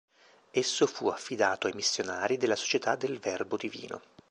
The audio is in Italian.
Esso fu affidato ai missionari della Società del Verbo Divino.